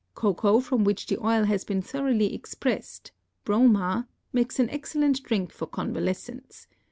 Cocoa from which the oil has been thoroughly expressed (broma) makes an excellent drink for convalescents.